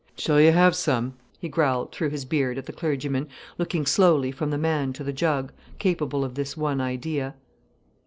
"Shall you have some?" he growled through his beard at the clergyman, looking slowly from the man to the jug, capable of this one idea.